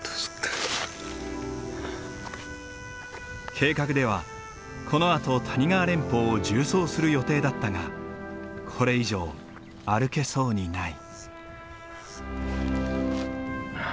計画ではこのあと谷川連峰を縦走する予定だったがこれ以上歩けそうにない。